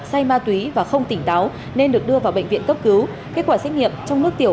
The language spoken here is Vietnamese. say ma túy và không tỉnh táo nên được đưa vào bệnh viện cấp cứu kết quả xét nghiệm trong nước tiểu